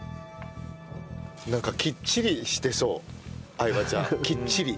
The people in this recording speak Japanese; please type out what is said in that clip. なんかきっちりしてそう相葉ちゃん。きっちり。